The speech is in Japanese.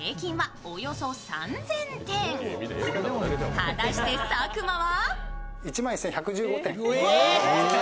果たして佐久間は？